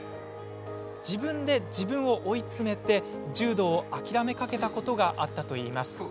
自分で自分を追い詰め柔道を諦めかけたことがあったといいます。